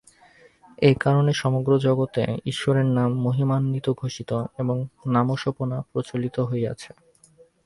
এই কারণে সমগ্র জগতে ঈশ্বরের নাম মহিমান্বিত ঘোষিত এবং নামোপাসনা প্রচলিত হইয়াছে।